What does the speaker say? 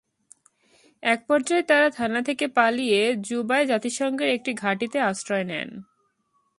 একপর্যায়ে তাঁরা থানা থেকে পালিয়ে জুবায় জাতিসংঘের একটি ঘাঁটিতে আশ্রয় নেন।